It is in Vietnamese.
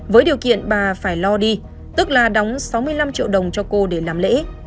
với điều kiện bà phải lo đi tức là đóng sáu mươi năm triệu đồng cho cô để làm lễ